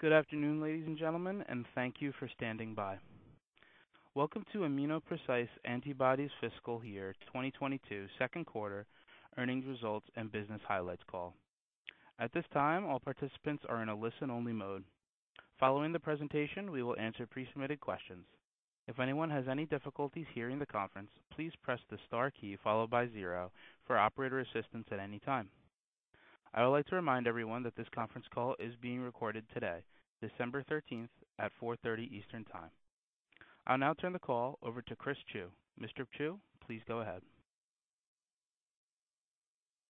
Good afternoon, ladies and gentlemen, and thank you for standing by. Welcome to ImmunoPrecise Antibodies' fiscal year 2022 second quarter earnings results and business highlights call. At this time, all participants are in a listen-only mode. Following the presentation, we will answer pre-submitted questions. If anyone has any difficulties hearing the conference, please press the star key followed by zero for operator assistance at any time. I would like to remind everyone that this conference call is being recorded today, December 13, at 4:30 P.M. Eastern Time. I'll now turn the call over to Chris Chu. Mr. Chu, please go ahead.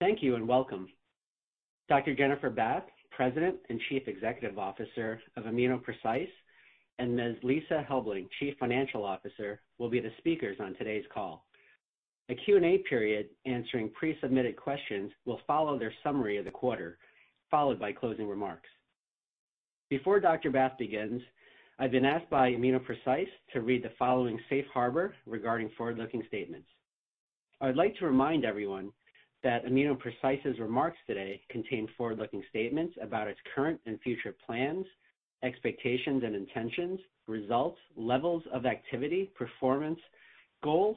Thank you, and welcome. Dr. Jennifer Bath, President and Chief Executive Officer of ImmunoPrecise, and Ms. Lisa Helbling, Chief Financial Officer, will be the speakers on today's call. A Q&A period answering pre-submitted questions will follow their summary of the quarter, followed by closing remarks. Before Dr. Bath begins, I've been asked by ImmunoPrecise to read the following safe harbor regarding forward-looking statements. I'd like to remind everyone that ImmunoPrecise's remarks today contain forward-looking statements about its current and future plans, expectations and intentions, results, levels of activity, performance, goals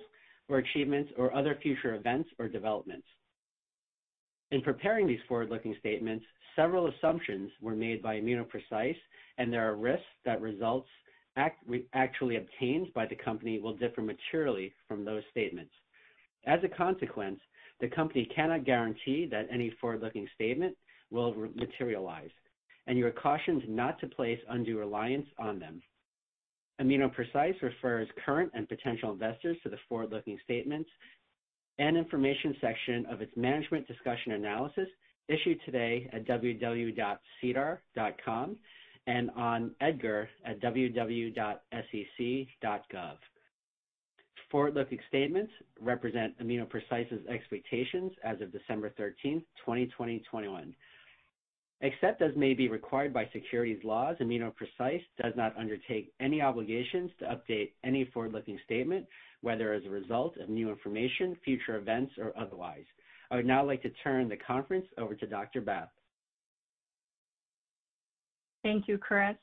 or achievements, or other future events or developments. In preparing these forward-looking statements, several assumptions were made by ImmunoPrecise, and there are risks that results actually obtained by the company will differ materially from those statements. As a consequence, the company cannot guarantee that any forward-looking statement will materialize, and you are cautioned not to place undue reliance on them. ImmunoPrecise refers current and potential investors to the forward-looking statements and information section of its MD&A issued today at www.sedar.com and on EDGAR at www.sec.gov. Forward-looking statements represent ImmunoPrecise's expectations as of December 13, 2021. Except as may be required by securities laws, ImmunoPrecise does not undertake any obligations to update any forward-looking statement, whether as a result of new information, future events, or otherwise. I would now like to turn the conference over to Dr. Bath. Thank you, Chris.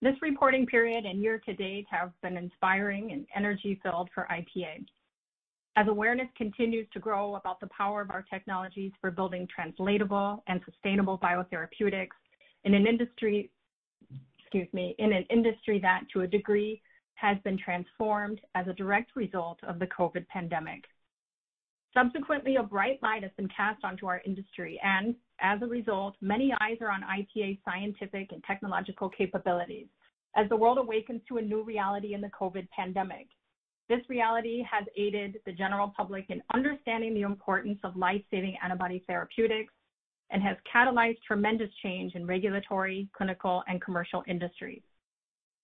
This reporting period and year to date have been inspiring and energy-filled for IPA. As awareness continues to grow about the power of our technologies for building translatable and sustainable biotherapeutics in an industry that to a degree has been transformed as a direct result of the COVID pandemic. Subsequently, a bright light has been cast onto our industry and, as a result, many eyes are on IPA's scientific and technological capabilities as the world awakens to a new reality in the COVID pandemic. This reality has aided the general public in understanding the importance of life-saving antibody therapeutics and has catalyzed tremendous change in regulatory, clinical, and commercial industries.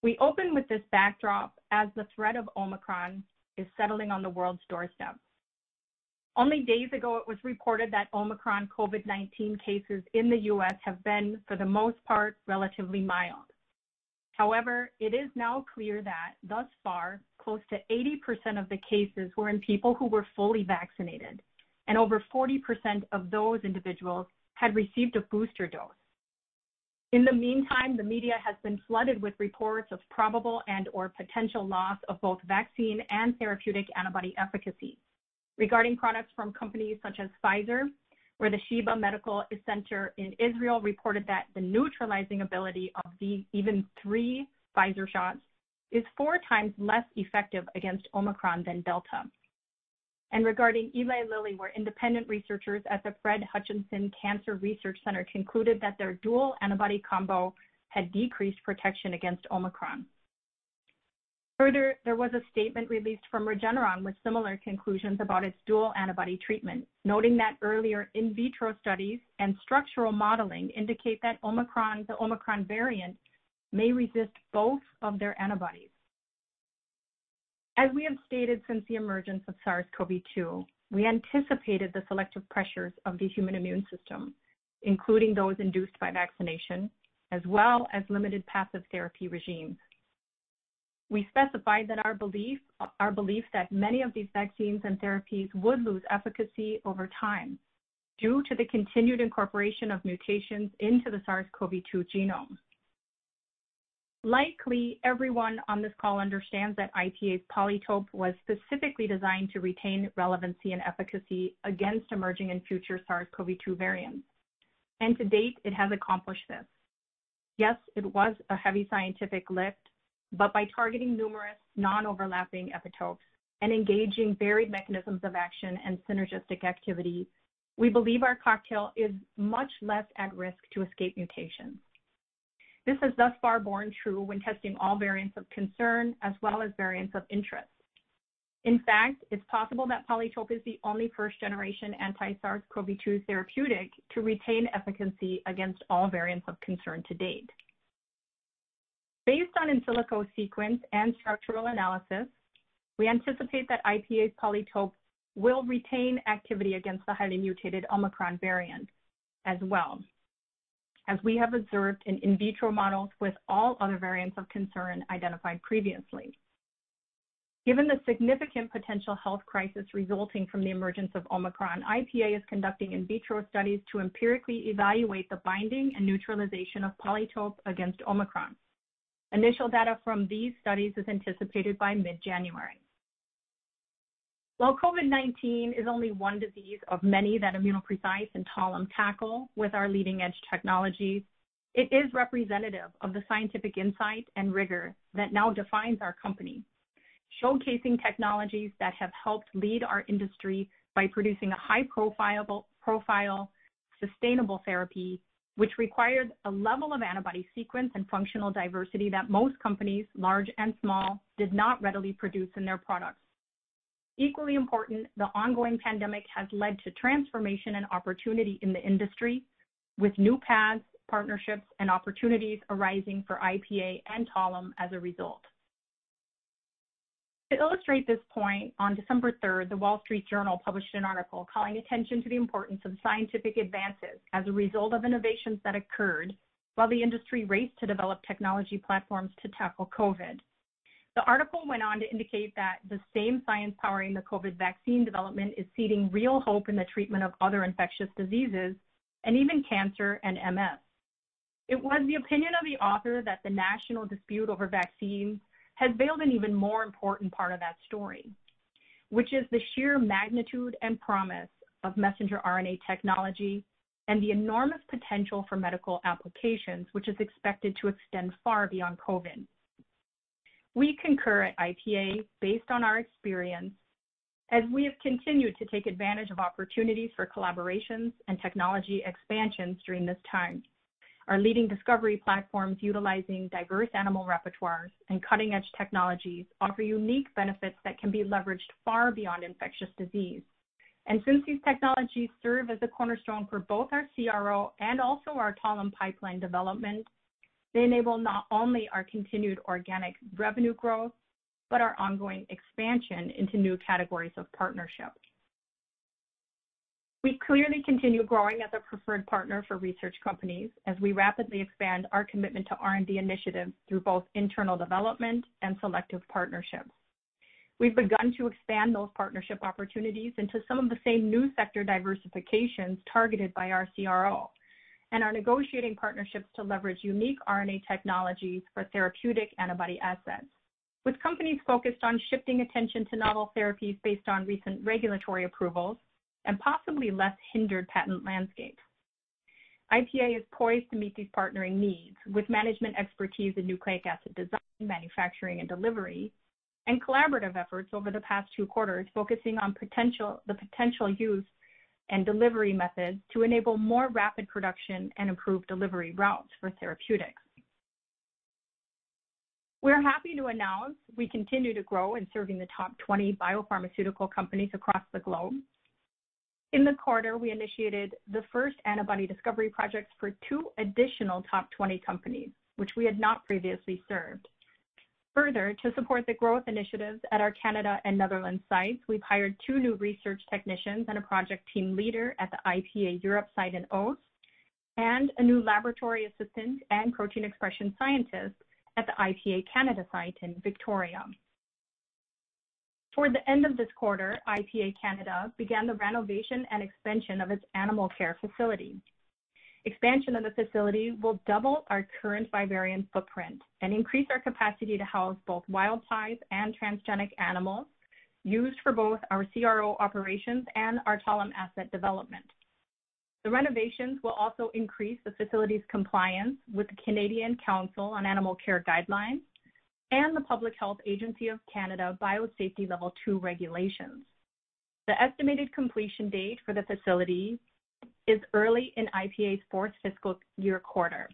We open with this backdrop as the threat of Omicron is settling on the world's doorstep. Only days ago, it was reported that Omicron COVID-19 cases in the U.S. have been, for the most part, relatively mild. However, it is now clear that thus far, close to 80% of the cases were in people who were fully vaccinated, and over 40% of those individuals had received a booster dose. In the meantime, the media has been flooded with reports of probable and/or potential loss of both vaccine and therapeutic antibody efficacy regarding products from companies such as Pfizer, where the Sheba Medical Center in Israel reported that the neutralizing ability of the even three Pfizer shots is four times less effective against Omicron than Delta. Regarding Eli Lilly, where independent researchers at the Fred Hutchinson Cancer Research Center concluded that their dual antibody combo had decreased protection against Omicron. Further, there was a statement released from Regeneron with similar conclusions about its dual antibody treatment, noting that earlier in vitro studies and structural modeling indicate that Omicron, the Omicron variant may resist both of their antibodies. As we have stated since the emergence of SARS-CoV-2, we anticipated the selective pressures of the human immune system, including those induced by vaccination, as well as limited passive therapy regimes. We specified that our belief that many of these vaccines and therapies would lose efficacy over time due to the continued incorporation of mutations into the SARS-CoV-2 genome. Likely everyone on this call understands that IPA's PolyTope was specifically designed to retain relevancy and efficacy against emerging and future SARS-CoV-2 variants, and to date, it has accomplished this. Yes, it was a heavy scientific lift, but by targeting numerous non-overlapping epitopes and engaging varied mechanisms of action and synergistic activity, we believe our cocktail is much less at risk to escape mutations. This has thus far borne true when testing all variants of concern as well as variants of interest. In fact, it's possible that PolyTope is the only first-generation anti-SARS-CoV-2 therapeutic to retain efficacy against all variants of concern to date. Based on in silico sequence and structural analysis, we anticipate that IPA's PolyTope will retain activity against the highly mutated Omicron variant as well as we have observed in in vitro models with all other variants of concern identified previously. Given the significant potential health crisis resulting from the emergence of Omicron, IPA is conducting in vitro studies to empirically evaluate the binding and neutralization of PolyTopes against Omicron. Initial data from these studies is anticipated by mid-January. While COVID-19 is only one disease of many that ImmunoPrecise and Talem tackle with our leading-edge technologies, it is representative of the scientific insight and rigor that now defines our company, showcasing technologies that have helped lead our industry by producing a high-profile sustainable therapy, which required a level of antibody sequence and functional diversity that most companies, large and small, did not readily produce in their products. Equally important, the ongoing pandemic has led to transformation and opportunity in the industry with new paths, partnerships, and opportunities arising for IPA and Talem as a result. To illustrate this point, on December third, The Wall Street Journal published an article calling attention to the importance of scientific advances as a result of innovations that occurred while the industry raced to develop technology platforms to tackle COVID. The article went on to indicate that the same science powering the COVID vaccine development is seeding real hope in the treatment of other infectious diseases, and even cancer and MS. It was the opinion of the author that the national dispute over vaccines has veiled an even more important part of that story, which is the sheer magnitude and promise of messenger RNA technology and the enormous potential for medical applications, which is expected to extend far beyond COVID. We concur at IPA based on our experience as we have continued to take advantage of opportunities for collaborations and technology expansions during this time. Our leading discovery platforms utilizing diverse animal repertoires and cutting-edge technologies offer unique benefits that can be leveraged far beyond infectious disease. Since these technologies serve as a cornerstone for both our CRO and also our Talem pipeline development, they enable not only our continued organic revenue growth, but our ongoing expansion into new categories of partnership. We clearly continue growing as a preferred partner for research companies as we rapidly expand our commitment to R&D initiatives through both internal development and selective partnerships. We've begun to expand those partnership opportunities into some of the same new sector diversifications targeted by our CRO and are negotiating partnerships to leverage unique RNA technologies for therapeutic antibody assets. With companies focused on shifting attention to novel therapies based on recent regulatory approvals and possibly less hindered patent landscapes, IPA is poised to meet these partnering needs with management expertise in nucleic acid design, manufacturing, and delivery, and collaborative efforts over the past two quarters focusing on potential use and delivery methods to enable more rapid production and improved delivery routes for therapeutics. We're happy to announce we continue to grow in serving the top 20 biopharmaceutical companies across the globe. In the quarter, we initiated the first antibody discovery projects for two additional top 20 companies, which we had not previously served. Further, to support the growth initiatives at our Canada and Netherlands sites, we've hired two new research technicians and a project team leader at the IPA Europe site in Oss, and a new laboratory assistant and protein expression scientist at the IPA Canada site in Victoria. Toward the end of this quarter, IPA Canada began the renovation and expansion of its animal care facility. Expansion of the facility will double our current vivarium footprint and increase our capacity to house both wild-type and transgenic animals used for both our CRO operations and our Talem asset development. The renovations will also increase the facility's compliance with the Canadian Council on Animal Care guidelines and the Public Health Agency of Canada Biosafety Level two regulations. The estimated completion date for the facility is early in IPA's fourth fiscal year quarter.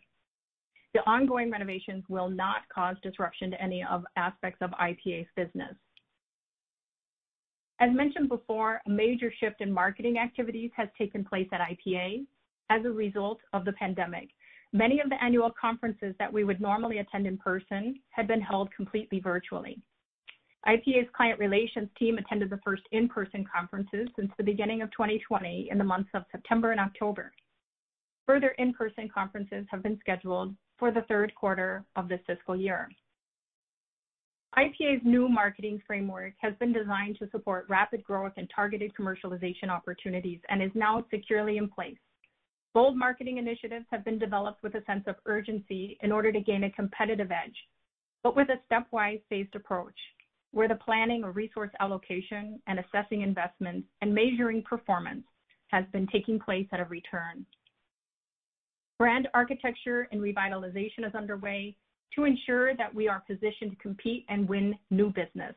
The ongoing renovations will not cause disruption to any of aspects of IPA's business. As mentioned before, a major shift in marketing activities has taken place at IPA as a result of the pandemic. Many of the annual conferences that we would normally attend in person have been held completely virtually. IPA's client relations team attended the first in-person conferences since the beginning of 2020 in the months of September and October. Further in-person conferences have been scheduled for the third quarter of this fiscal year. IPA's new marketing framework has been designed to support rapid growth and targeted commercialization opportunities and is now securely in place. Bold marketing initiatives have been developed with a sense of urgency in order to gain a competitive edge, but with a stepwise phased approach where the planning of resource allocation and assessing investments and measuring performance has been taking place in turn. Brand architecture and revitalization is underway to ensure that we are positioned to compete and win new business,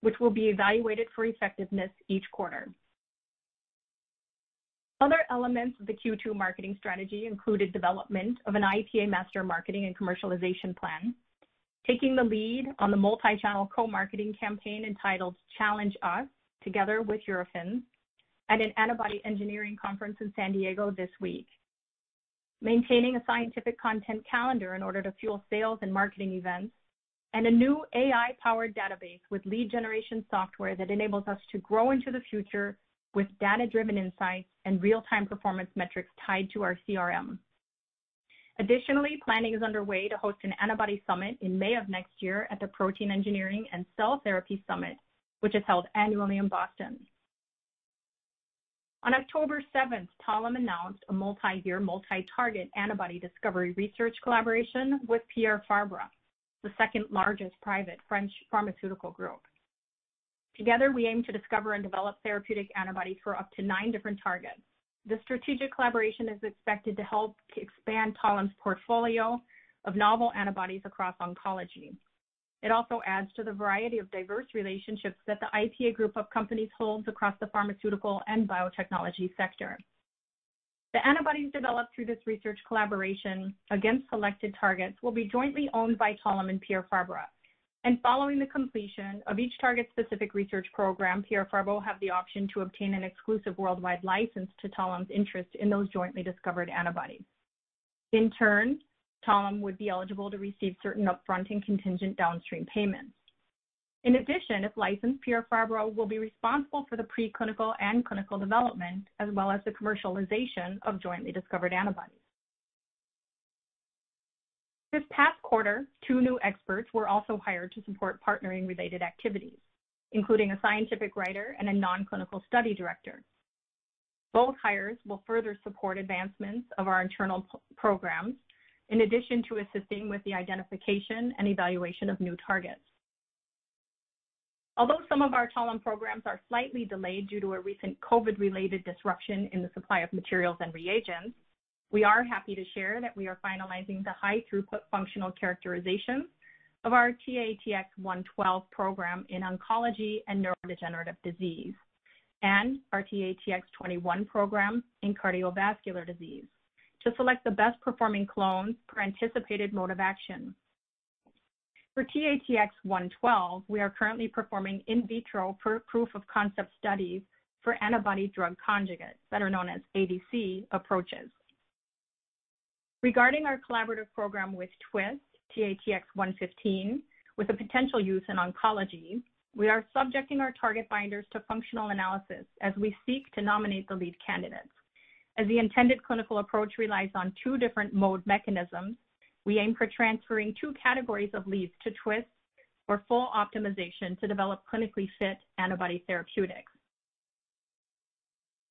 which will be evaluated for effectiveness each quarter. Other elements of the Q2 marketing strategy included development of an IPA master marketing and commercialization plan, taking the lead on the multi-channel co-marketing campaign entitled Challenge Us together with Eurofins at an antibody engineering conference in San Diego this week, maintaining a scientific content calendar in order to fuel sales and marketing events, and a new AI-powered database with lead generation software that enables us to grow into the future with data-driven insights and real-time performance metrics tied to our CRM. Additionally, planning is underway to host an antibody summit in May of next year at the Protein Engineering and Cell Therapy Summit, which is held annually in Boston. On October seventh, Talem announced a multi-year, multi-target antibody discovery research collaboration with Pierre Fabre, the second largest private French pharmaceutical group. Together, we aim to discover and develop therapeutic antibodies for up to nine different targets. This strategic collaboration is expected to help expand Talem's portfolio of novel antibodies across oncology. It also adds to the variety of diverse relationships that the IPA group of companies holds across the pharmaceutical and biotechnology sector. The antibodies developed through this research collaboration against selected targets will be jointly owned by Talem and Pierre Fabre. Following the completion of each target-specific research program, Pierre Fabre will have the option to obtain an exclusive worldwide license to Talem's interest in those jointly discovered antibodies. In turn, Talem would be eligible to receive certain upfront and contingent downstream payments. In addition, if licensed, Pierre Fabre will be responsible for the preclinical and clinical development as well as the commercialization of jointly discovered antibodies. This past quarter, two new experts were also hired to support partnering related activities, including a scientific writer and a non-clinical study director. Both hires will further support advancements of our internal programs in addition to assisting with the identification and evaluation of new targets. Although some of our Talem programs are slightly delayed due to a recent COVID-related disruption in the supply of materials and reagents, we are happy to share that we are finalizing the high throughput functional characterization of our TATX-112 program in oncology and neurodegenerative disease and our TATX-21 program in cardiovascular disease to select the best-performing clones for anticipated mode of action. For TATX-112, we are currently performing in vitro proof of concept studies for antibody drug conjugates that are known as ADC approaches. Regarding our collaborative program with Twist, TATX-115, with a potential use in oncology, we are subjecting our target binders to functional analysis as we seek to nominate the lead candidates. As the intended clinical approach relies on two different molecular mechanisms, we aim for transferring two categories of leads to Twist for full optimization to develop clinically fit antibody therapeutics.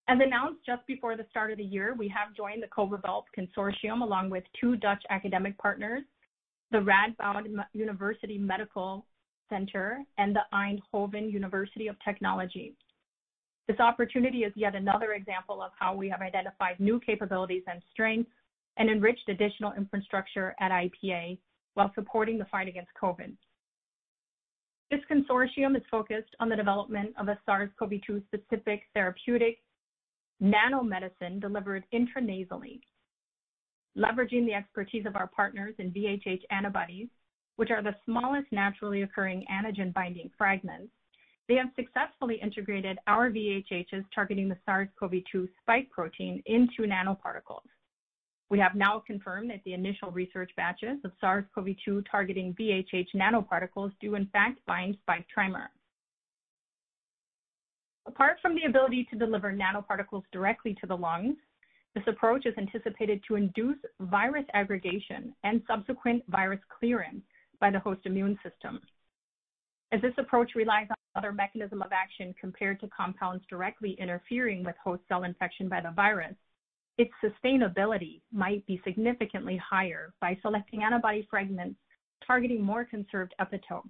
As announced just before the start of the year, we have joined the COVABELP consortium along with two Dutch academic partners, the Radboud University Medical Center and the Eindhoven University of Technology. This opportunity is yet another example of how we have identified new capabilities and strengths and enriched additional infrastructure at IPA while supporting the fight against COVID. This consortium is focused on the development of a SARS-CoV-2-specific therapeutic nanomedicine delivered intranasally, leveraging the expertise of our partners in VHH antibodies, which are the smallest naturally occurring antigen-binding fragments. They have successfully integrated our VHHs targeting the SARS-CoV-2 spike protein into nanoparticles. We have now confirmed that the initial research batches of SARS-CoV-2 targeting VHH nanoparticles do in fact bind spike trimer. Apart from the ability to deliver nanoparticles directly to the lungs, this approach is anticipated to induce virus aggregation and subsequent virus clearing by the host immune system. As this approach relies on other mechanism of action compared to compounds directly interfering with host cell infection by the virus, its sustainability might be significantly higher by selecting antibody fragments targeting more conserved epitopes.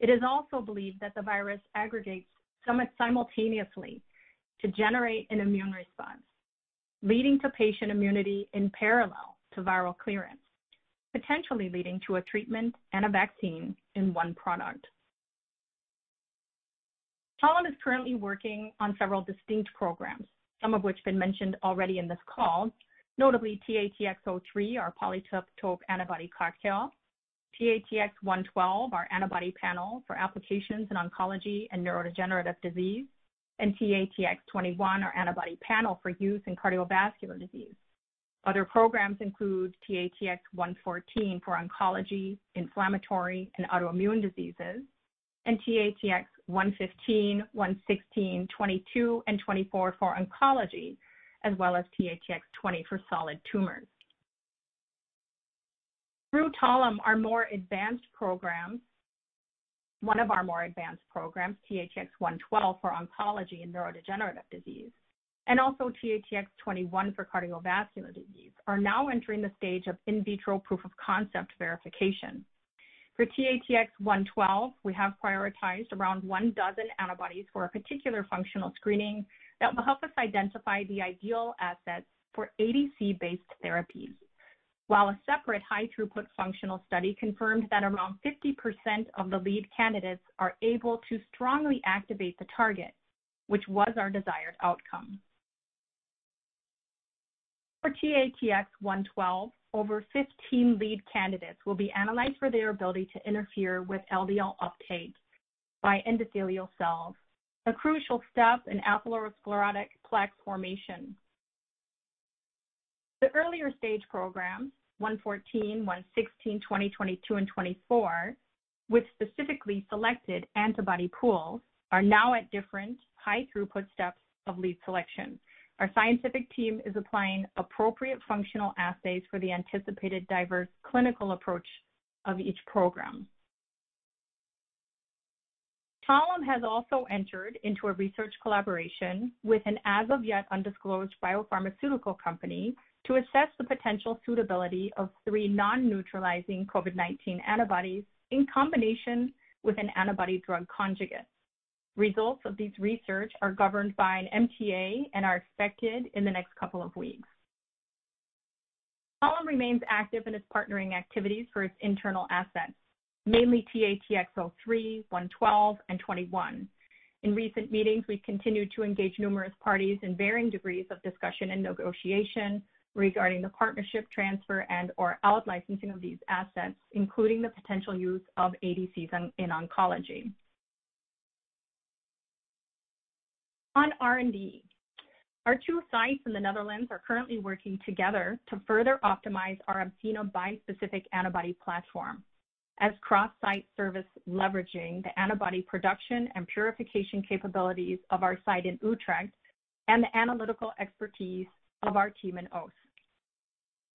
It is also believed that the virus aggregates and simultaneously to generate an immune response, leading to patient immunity in parallel to viral clearance, potentially leading to a treatment and a vaccine in one product. Talem is currently working on several distinct programs, some of which have been mentioned already in this call, notably TATX-03, our PolyTope antibody cocktail, TATX-112, our antibody panel for applications in oncology and neurodegenerative disease, and TATX-21, our antibody panel for use in cardiovascular disease. Other programs include TATX-114 for oncology, inflammatory and autoimmune diseases, and TATX-115, 116, 22, and 24 for oncology, as well as TATX-20 for solid tumors. Through Talem, one of our more advanced programs, TATX-112 for oncology and neurodegenerative disease, and also TATX-21 for cardiovascular disease, are now entering the stage of in vitro proof of concept verification. For TATX-112, we have prioritized around 12 antibodies for a particular functional screening that will help us identify the ideal assets for ADC-based therapies, while a separate high-throughput functional study confirmed that around 50% of the lead candidates are able to strongly activate the target, which was our desired outcome. For TATX-112, over 15 lead candidates will be analyzed for their ability to interfere with LDL uptake by endothelial cells, a crucial step in atherosclerotic plaque formation. The earlier stage programs, 114, 116, 20, 22, and 24, which specifically selected antibody pools are now at different high throughput steps of lead selection. Our scientific team is applying appropriate functional assays for the anticipated diverse clinical approach of each program. Talem has also entered into a research collaboration with an as of yet undisclosed biopharmaceutical company to assess the potential suitability of three non-neutralizing COVID-19 antibodies in combination with an antibody drug conjugates. Results of this research are governed by an MTA and are expected in the next couple of weeks. Talem remains active in its partnering activities for its internal assets, mainly TATX-03, 112, and 21. In recent meetings, we continued to engage numerous parties in varying degrees of discussion and negotiation regarding the partnership transfer and/or out-licensing of these assets, including the potential use of ADCs in oncology. On R&D, our two sites in the Netherlands are currently working together to further optimize our Absano bispecific antibody platform as cross-site service, leveraging the antibody production and purification capabilities of our site in Utrecht and the analytical expertise of our team in Oss.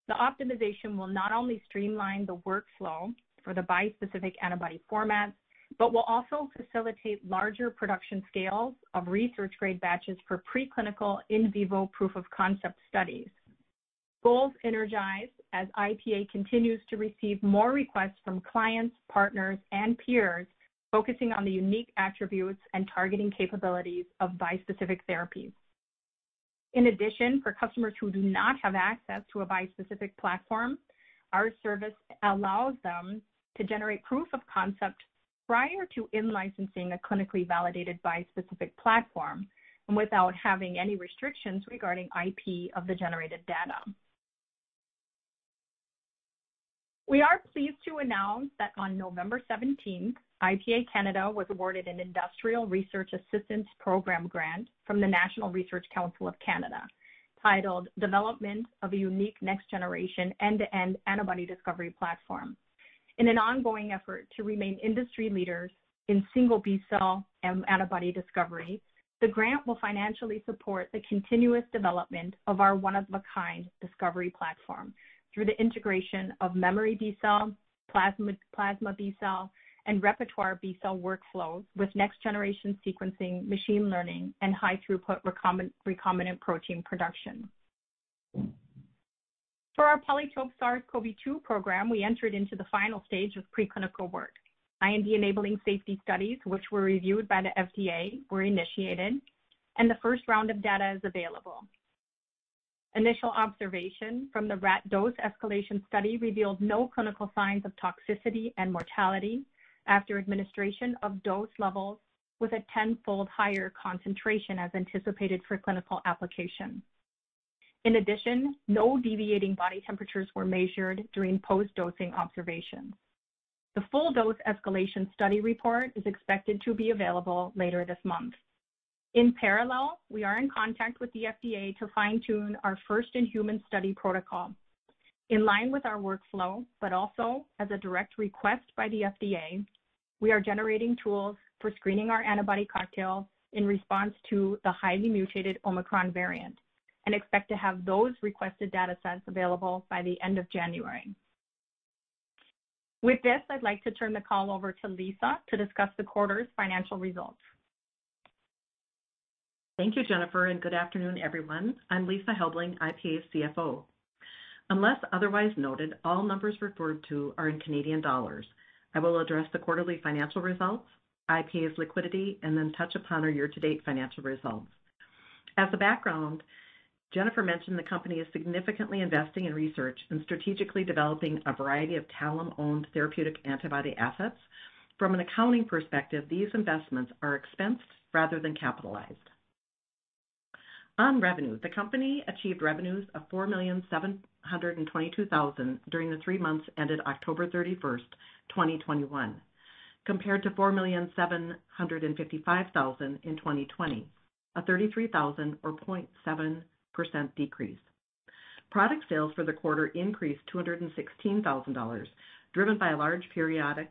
The optimization will not only streamline the workflow for the bispecific antibody format, but will also facilitate larger production scales of research-grade batches for preclinical in vivo proof of concept studies. Growth energizes as IPA continues to receive more requests from clients, partners, and peers focusing on the unique attributes and targeting capabilities of bispecific therapies. In addition, for customers who do not have access to a bispecific platform, our service allows them to generate proof of concept prior to in-licensing a clinically validated bispecific platform and without having any restrictions regarding IP of the generated data. We are pleased to announce that on November seventeenth, IPA Canada was awarded an Industrial Research Assistance Program grant from the National Research Council of Canada, titled Development of a Unique Next Generation End-to-End Antibody Discovery Platform. In an ongoing effort to remain industry leaders in single B-cell antibody discovery, the grant will financially support the continuous development of our one-of-a-kind discovery platform through the integration of memory B-cell, plasma B-cell, and repertoire B-cell workflows with next-generation sequencing, machine learning, and high-throughput recombinant protein production. For our PolyTope SARS-CoV-2 program, we entered into the final stage of preclinical work. IND-enabling safety studies, which were reviewed by the FDA, were initiated, and the first round of data is available. Initial observation from the rat dose escalation study revealed no clinical signs of toxicity and mortality after administration of dose levels with a tenfold higher concentration as anticipated for clinical application. In addition, no deviating body temperatures were measured during post-dosing observations. The full dose escalation study report is expected to be available later this month. In parallel, we are in contact with the FDA to fine-tune our first-in-human study protocol. In line with our workflow, but also as a direct request by the FDA, we are generating tools for screening our antibody cocktail in response to the highly mutated Omicron variant and expect to have those requested data sets available by the end of January. With this, I'd like to turn the call over to Lisa to discuss the quarter's financial results. Thank you, Jennifer, and good afternoon, everyone. I'm Lisa Helbling, IPA's CFO. Unless otherwise noted, all numbers referred to are in Canadian dollars. I will address the quarterly financial results, IPA's liquidity, and then touch upon our year-to-date financial results. As a background, Jennifer mentioned the company is significantly investing in research and strategically developing a variety of Talem-owned therapeutic antibody assets. From an accounting perspective, these investments are expensed rather than capitalized. On revenue, the company achieved revenues of 4,722,000 during the three months ended October 31, 2021, compared to 4,755,000 in 2020, a 33,000 or 0.7% decrease. Product sales for the quarter increased 216,000 dollars, driven by a large-scale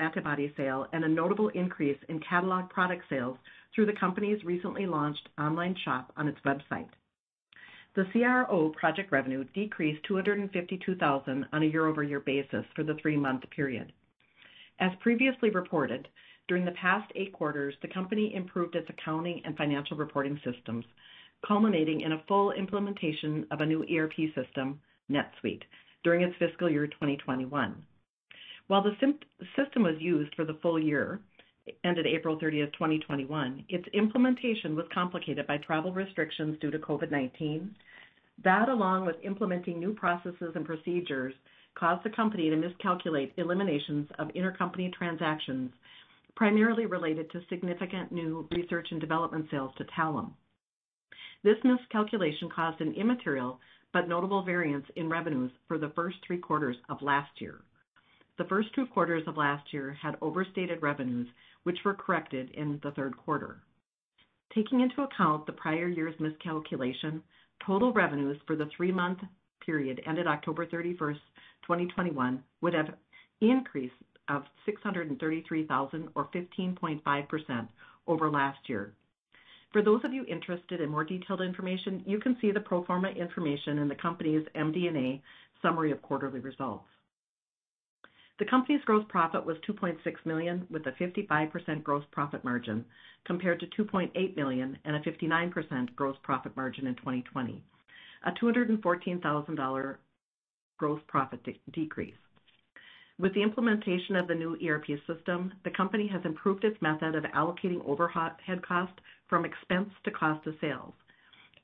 antibody sale and a notable increase in catalog product sales through the company's recently launched online shop on its website. The CRO project revenue decreased 252,000 on a year-over-year basis for the three-month period. As previously reported, during the past 8 quarters, the company improved its accounting and financial reporting systems, culminating in a full implementation of a new ERP system, NetSuite, during its fiscal year 2021. While the system was used for the full year ended April 30, 2021, its implementation was complicated by travel restrictions due to COVID-19. That, along with implementing new processes and procedures, caused the company to miscalculate eliminations of intercompany transactions, primarily related to significant new research and development sales to Talem. This miscalculation caused an immaterial but notable variance in revenues for the first three quarters of last year. The first two quarters of last year had overstated revenues, which were corrected in the third quarter. Taking into account the prior year's miscalculation, total revenues for the three-month period ended October 31, 2021 would have increased by 633,000 or 15.5% over last year. For those of you interested in more detailed information, you can see the pro forma information in the company's MD&A summary of quarterly results. The company's gross profit was 2.6 million, with a 55% gross profit margin, compared to 2.8 million and a 59% gross profit margin in 2020. A 214,000 dollar gross profit decrease. With the implementation of the new ERP system, the company has improved its method of allocating overhead costs from expense to cost of sales.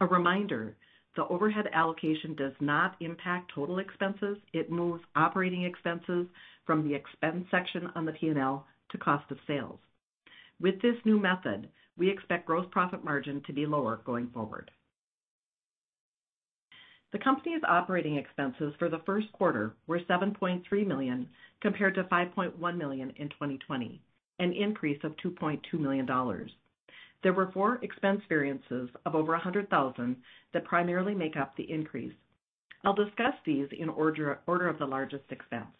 A reminder, the overhead allocation does not impact total expenses. It moves operating expenses from the expense section on the P&L to cost of sales. With this new method, we expect gross profit margin to be lower going forward. The company's operating expenses for the first quarter were $7.3 million, compared to $5.1 million in 2020, an increase of $2.2 million. There were four expense variances of over $100,000 that primarily make up the increase. I'll discuss these in order of the largest expense.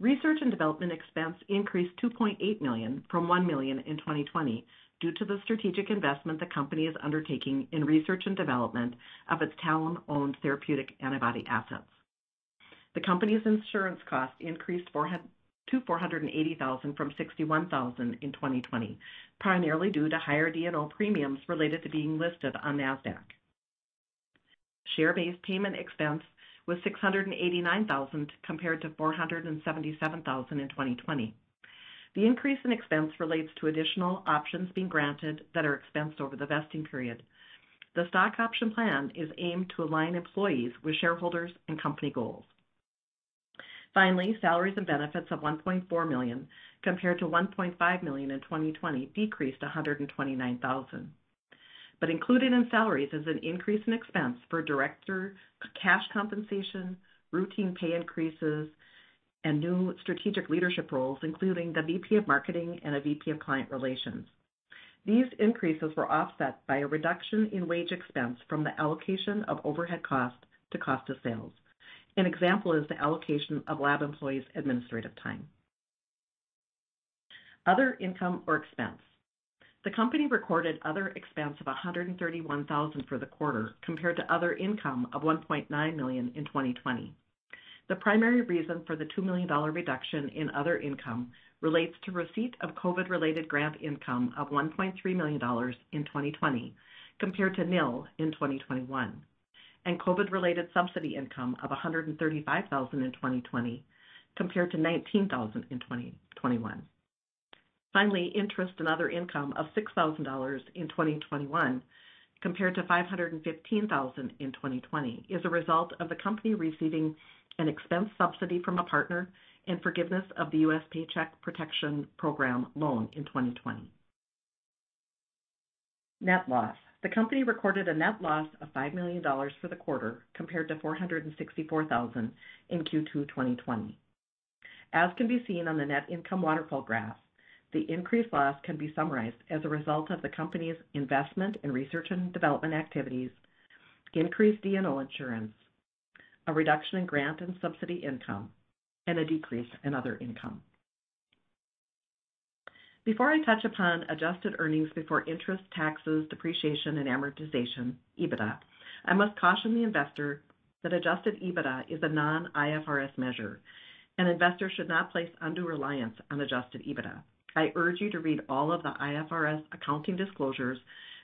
Research and development expense increased 2.8 million from 1 million in 2020 due to the strategic investment the company is undertaking in research and development of its Talem-owned therapeutic antibody assets. The company's insurance costs increased to 480,000 from 61,000 in 2020, primarily due to higher D&O premiums related to being listed on Nasdaq. Share-based payment expense was 689,000, compared to 477,000 in 2020. The increase in expense relates to additional options being granted that are expensed over the vesting period. The stock option plan is aimed to align employees with shareholders and company goals. Finally, salaries and benefits of 1.4 million, compared to 1.5 million in 2020, decreased 129,000. Included in salaries is an increase in expense for director cash compensation, routine pay increases, and new strategic leadership roles, including the VP of Marketing and a VP of Client Relations. These increases were offset by a reduction in wage expense from the allocation of overhead cost to cost of sales. An example is the allocation of lab employees' administrative time. Other income or expense. The company recorded other expense of 131,000 for the quarter, compared to other income of 1.9 million in 2020. The primary reason for the 2 million dollar reduction in other income relates to receipt of COVID-related grant income of 1.3 million dollars in 2020, compared to nil in 2021, and COVID-related subsidy income of 135,000 in 2020, compared to 19,000 in 2021. Finally, interest and other income of $6,000 in 2021, compared to $515,000 in 2020, is a result of the company receiving an expense subsidy from a partner and forgiveness of the U.S. Paycheck Protection Program loan in 2020. Net loss. The company recorded a net loss of $5 million for the quarter, compared to $464,000 in Q2 2020. As can be seen on the net income waterfall graph, the increased loss can be summarized as a result of the company's investment in research and development activities, increased D&O insurance, a reduction in grant and subsidy income, and a decrease in other income. Before I touch upon adjusted earnings before interest, taxes, depreciation, and amortization, EBITDA, I must caution the investor that adjusted EBITDA is a non-IFRS measure, and investors should not place undue reliance on adjusted EBITDA. I urge you to read all of the IFRS accounting disclosures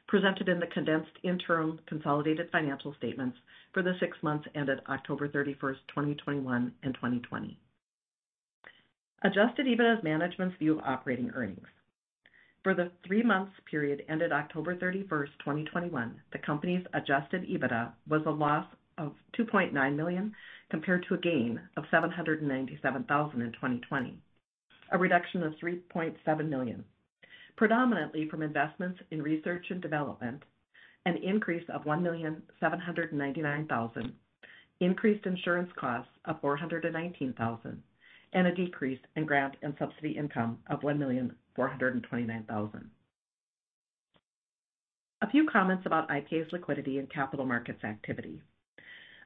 presented in the condensed interim consolidated financial statements for the six months ended October 31, 2021 and 2020. Adjusted EBITDA is management's view of operating earnings. For the three months period ended October 31, 2021, the company's adjusted EBITDA was a loss of 2.9 million, compared to a gain of 797,000 in 2020, a reduction of 3.7 million, predominantly from investments in research and development, an increase of 1,799,000, increased insurance costs of 419,000, and a decrease in grant and subsidy income of 1,429,000. A few comments about IPA's liquidity and capital markets activity.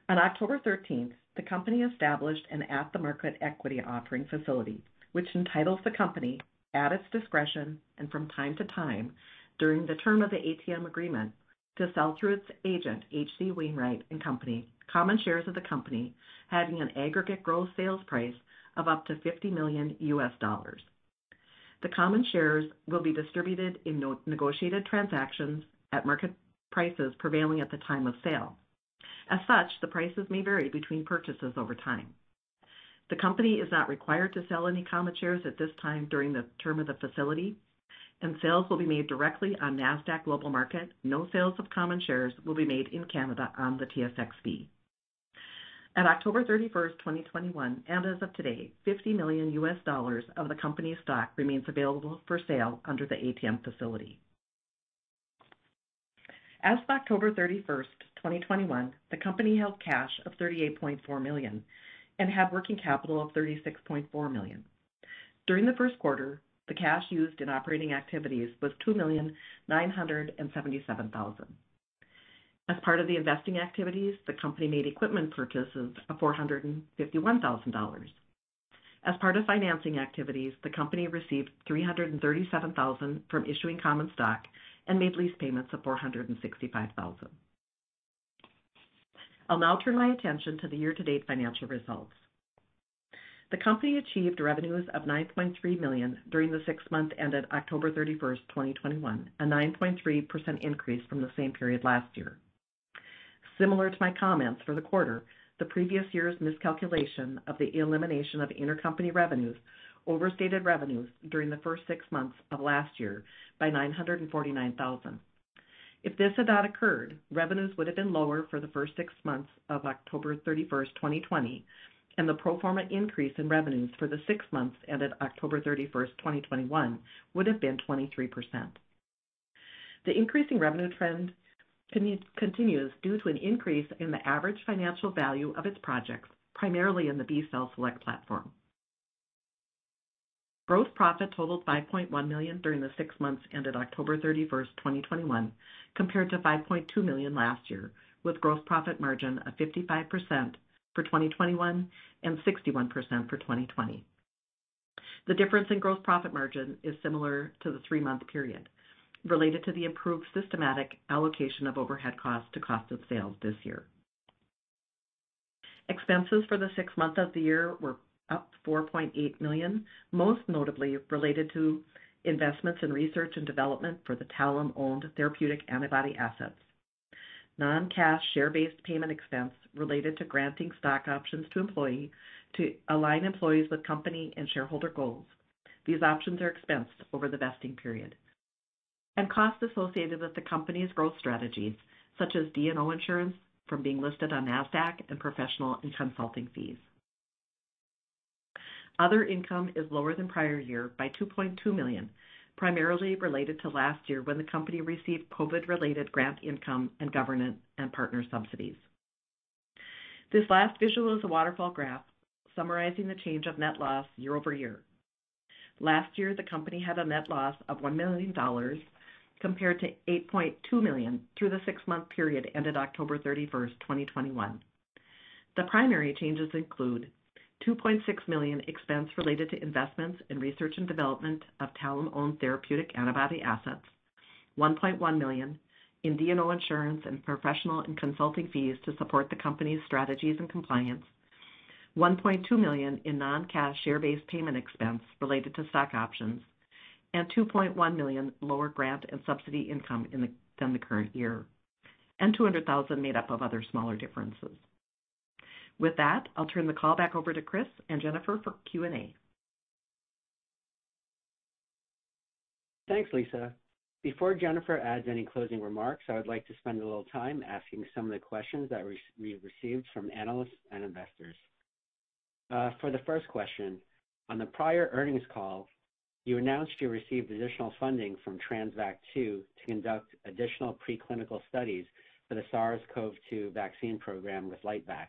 On October 13th, the company established an at-the-market equity offering facility, which entitles the company, at its discretion and from time to time during the term of the ATM agreement, to sell through its agent, H.C. Wainwright & Company, common shares of the company having an aggregate gross sales price of up to $50 million. The common shares will be distributed in non-negotiated transactions at market prices prevailing at the time of sale. As such, the prices may vary between purchases over time. The company is not required to sell any common shares at this time during the term of the facility, and sales will be made directly on Nasdaq Global Market. No sales of common shares will be made in Canada on the TSXV. As of October 31, 2021, and as of today, $50 million of the company's stock remains available for sale under the ATM facility. As of October 31, 2021, the company held cash of 38.4 million and had working capital of 36.4 million. During the first quarter, the cash used in operating activities was 2,977,000. As part of the investing activities, the company made equipment purchases of 451,000 dollars. As part of financing activities, the company received 337,000 from issuing common stock and made lease payments of 465,000. I'll now turn my attention to the year-to-date financial results. The company achieved revenues of 9.3 million during the six months ended October 31, 2021, a 9.3% increase from the same period last year. Similar to my comments for the quarter, the previous year's miscalculation of the elimination of intercompany revenues overstated revenues during the first six months of last year by 949,000. If this had not occurred, revenues would have been lower for the first six months of October 31, 2020, and the pro forma increase in revenues for the six months ended October 31, 2021, would have been 23%. The increasing revenue trend continues due to an increase in the average financial value of its projects, primarily in the B Cell Select platform. Gross profit totaled 5.1 million during the six months ended October 31, 2021, compared to 5.2 million last year, with gross profit margin of 55% for 2021 and 61% for 2020. The difference in gross profit margin is similar to the three-month period related to the improved systematic allocation of overhead costs to cost of sales this year. Expenses for the six months of the year were up 4.8 million, most notably related to investments in research and development for the Talem-owned therapeutic antibody assets. Non-cash share-based payment expense related to granting stock options to employees to align employees with company and shareholder goals. These options are expensed over the vesting period. Costs associated with the company's growth strategies such as D&O insurance from being listed on Nasdaq and professional and consulting fees. Other income is lower than prior year by 2.2 million, primarily related to last year when the company received COVID-related grant income and governance and partner subsidies. This last visual is a waterfall graph summarizing the change of net loss year-over-year. Last year, the company had a net loss of 1 million dollars compared to 8.2 million through the six-month period ended October 31, 2021. The primary changes include 2.6 million expense related to investments in research and development of Talem-owned therapeutic antibody assets, 1.1 million in D&O insurance and professional and consulting fees to support the company's strategies and compliance, 1.2 million in non-cash share-based payment expense related to stock options, and 2.1 million lower grant and subsidy income than the current year, and 200,000 made up of other smaller differences. With that, I'll turn the call back over to Chris and Jennifer for Q&A. Thanks, Lisa. Before Jennifer adds any closing remarks, I would like to spend a little time asking some of the questions that we received from analysts and investors. For the first question, on the prior earnings call, you announced you received additional funding from TRANSVAC2 to conduct additional preclinical studies for the SARS-CoV-2 vaccine program with LiteVax.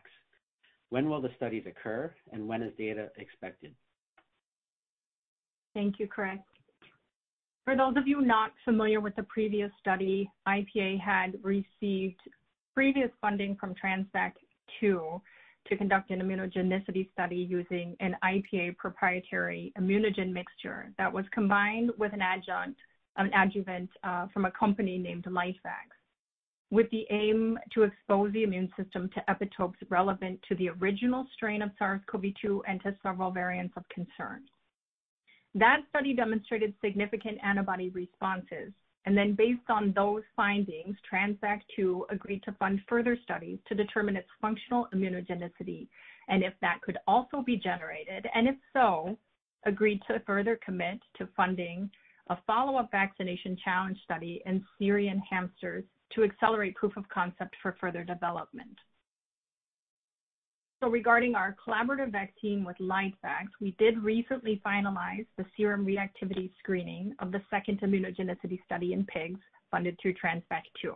When will the studies occur, and when is data expected? Thank you, Chris. For those of you not familiar with the previous study, IPA had received previous funding from TRANSVAC2 to conduct an immunogenicity study using an IPA proprietary immunogen mixture that was combined with an adjuvant from a company named LiteVax, with the aim to expose the immune system to epitopes relevant to the original strain of SARS-CoV-2 and to several variants of concern. That study demonstrated significant antibody responses, and then based on those findings, TRANSVAC2 agreed to fund further studies to determine its functional immunogenicity and if that could also be generated, and if so, agreed to further commit to funding a follow-up vaccination challenge study in Syrian hamsters to accelerate proof of concept for further development. Regarding our collaborative vaccine with LiteVax, we did recently finalize the serum reactivity screening of the second immunogenicity study in pigs funded through TRANSVAC2.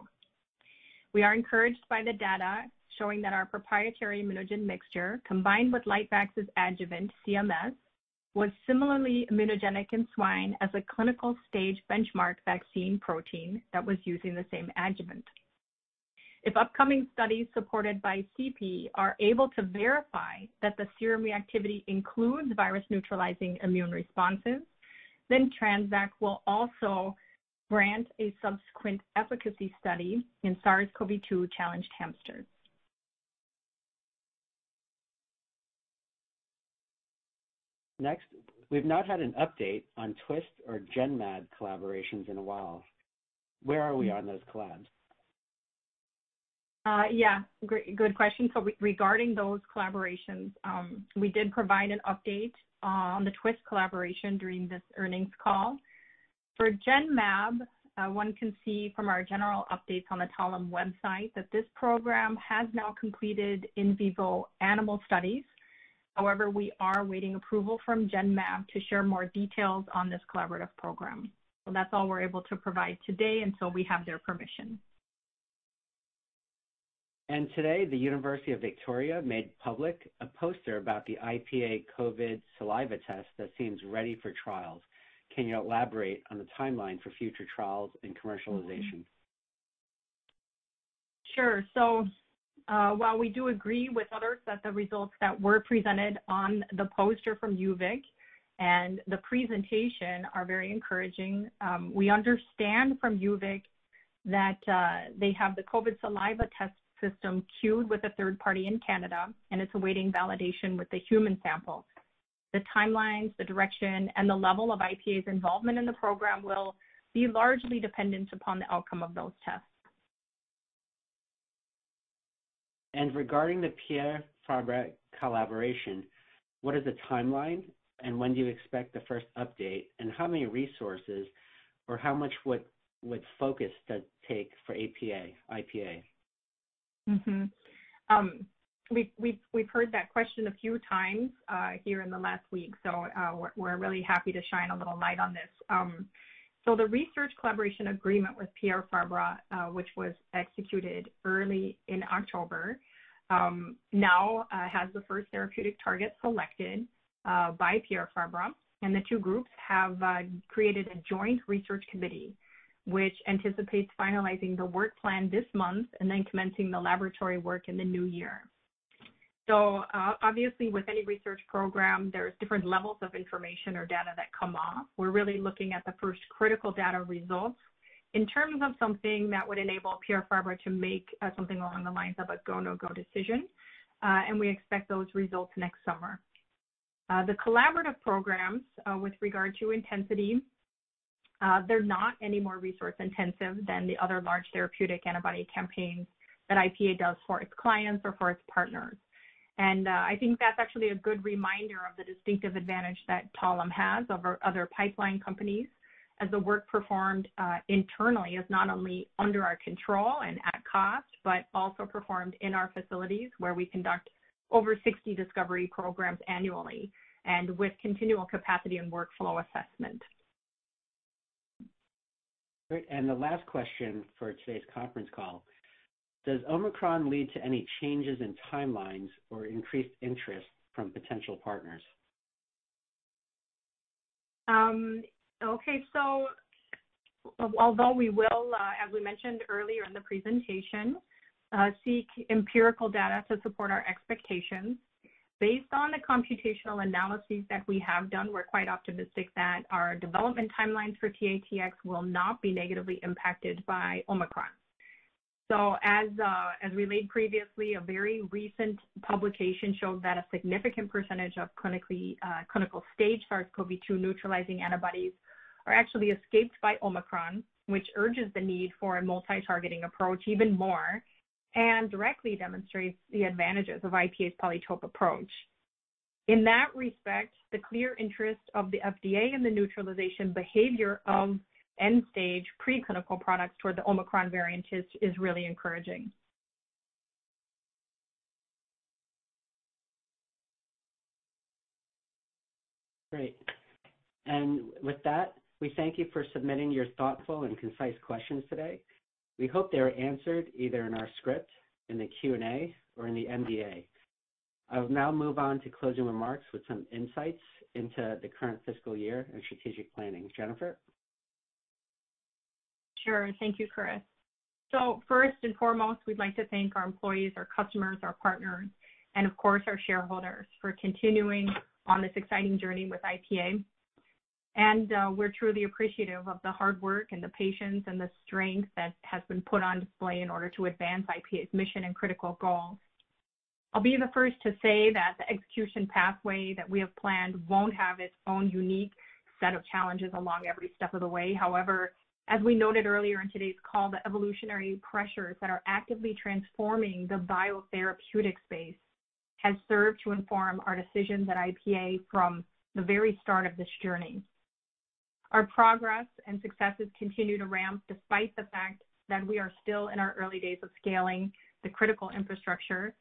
We are encouraged by the data showing that our proprietary immunogen mixture, combined with LiteVax's adjuvant CMS, was similarly immunogenic in swine as a clinical-stage benchmark vaccine protein that was using the same adjuvant. If upcoming studies supported by CP are able to verify that the serum reactivity includes virus-neutralizing immune responses, then TRANSVAC2 will also grant a subsequent efficacy study in SARS-CoV-2 challenged hamsters. Next, we've not had an update on Twist or Genmab collaborations in a while. Where are we on those collabs? Good question. Regarding those collaborations, we did provide an update on the Twist collaboration during this earnings call. For Genmab, one can see from our general updates on the Talem website that this program has now completed in vivo animal studies. However, we are awaiting approval from Genmab to share more details on this collaborative program. That's all we're able to provide today until we have their permission. Today, the University of Victoria made public a poster about the IPA COVID saliva test that seems ready for trials. Can you elaborate on the timeline for future trials and commercialization? Sure. While we do agree with others that the results that were presented on the poster from UVic and the presentation are very encouraging, we understand from UVic that they have the COVID saliva test system cued with a third party in Canada, and it's awaiting validation with the human sample. The timelines, the direction, and the level of IPA's involvement in the program will be largely dependent upon the outcome of those tests. Regarding the Pierre Fabre collaboration, what is the timeline, and when do you expect the first update, and how many resources or how much would focus that take for IPA? We've heard that question a few times here in the last week, so we're really happy to shine a little light on this. The research collaboration agreement with Pierre Fabre, which was executed early in October, now has the first therapeutic target selected by Pierre Fabre, and the two groups have created a joint research committee, which anticipates finalizing the work plan this month and then commencing the laboratory work in the new year. Obviously, with any research program, there's different levels of information or data that come off. We're really looking at the first critical data results in terms of something that would enable Pierre Fabre to make something along the lines of a go/no-go decision, and we expect those results next summer. The collaborative programs, with regard to intensity, they're not any more resource intensive than the other large therapeutic antibody campaigns that IPA does for its clients or for its partners. I think that's actually a good reminder of the distinctive advantage that Talem has over other pipeline companies, as the work performed internally is not only under our control and at cost, but also performed in our facilities where we conduct over 60 discovery programs annually and with continual capacity and workflow assessment. Great. The last question for today's conference call: Does Omicron lead to any changes in timelines or increased interest from potential partners? Okay. Although we will, as we mentioned earlier in the presentation, seek empirical data to support our expectations, based on the computational analyses that we have done, we're quite optimistic that our development timelines for TATX will not be negatively impacted by Omicron. As we laid previously, a very recent publication showed that a significant percentage of clinical stage SARS-CoV-2 neutralizing antibodies are actually escaped by Omicron, which urges the need for a multi-targeting approach even more and directly demonstrates the advantages of IPA's PolyTope approach. In that respect, the clear interest of the FDA in the neutralization behavior of IND-stage preclinical products toward the Omicron variant is really encouraging. Great. With that, we thank you for submitting your thoughtful and concise questions today. We hope they were answered either in our script, in the Q&A, or in the NDA. I will now move on to closing remarks with some insights into the current fiscal year and strategic planning. Jennifer? Sure. Thank you, Chris. First and foremost, we'd like to thank our employees, our customers, our partners, and of course, our shareholders for continuing on this exciting journey with IPA. We're truly appreciative of the hard work and the patience and the strength that has been put on display in order to advance IPA's mission and critical goals. I'll be the first to say that the execution pathway that we have planned won't have its own unique set of challenges along every step of the way. However, as we noted earlier in today's call, the evolutionary pressures that are actively transforming the biotherapeutic space has served to inform our decisions at IPA from the very start of this journey. Our progress and successes continue to ramp despite the fact that we are still in our early days of scaling the critical infrastructure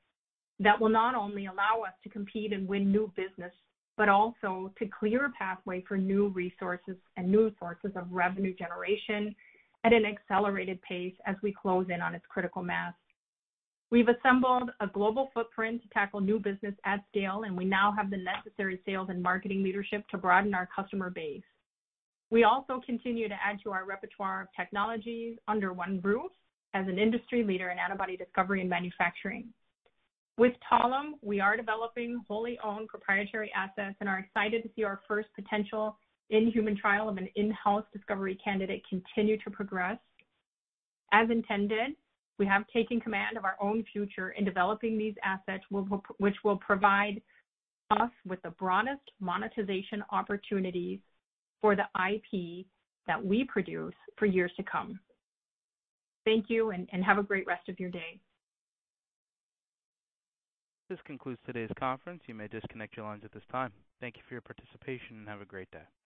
that will not only allow us to compete and win new business, but also to clear a pathway for new resources and new sources of revenue generation at an accelerated pace as we close in on its critical mass. We've assembled a global footprint to tackle new business at scale, and we now have the necessary sales and marketing leadership to broaden our customer base. We also continue to add to our repertoire of technologies under one roof as an industry leader in antibody discovery and manufacturing. With Talem, we are developing wholly owned proprietary assets and are excited to see our first potential in-human trial of an in-house discovery candidate continue to progress. As intended, we have taken command of our own future in developing these assets which will provide us with the broadest monetization opportunities for the IP that we produce for years to come. Thank you, and have a great rest of your day. This concludes today's conference. You may disconnect your lines at this time. Thank you for your participation, and have a great day.